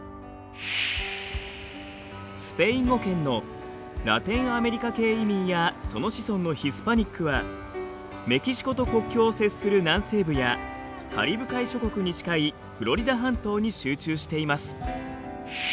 スペイン語圏のラテンアメリカ系移民やその子孫のヒスパニックはメキシコと国境を接する南西部やカリブ海諸国に近いフロリダ半島に集中しています。